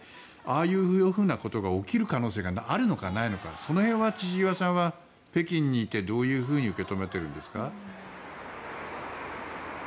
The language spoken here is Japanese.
ああいうふうなことが起きる可能性があるのかないのかその辺は千々岩さんは北京にいてどう受け止めてるんですか？